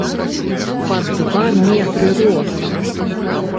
Пад два метры ростам.